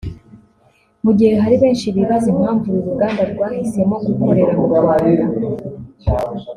Mu gihe hari benshi bibaza impamvu uru ruganda rwahisemo gukorera mu Rwanda